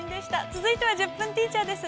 続いては「１０分ティーチャー」です。